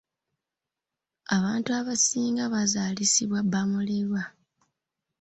Abantu abasinga bazaalisibwa ba mulerwa.